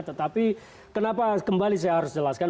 tetapi kenapa kembali saya harus jelaskan